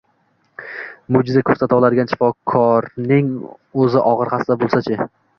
Mo’jiza ko’rsata oladigan shifokorning uzi og’ir xasta bo’lsachi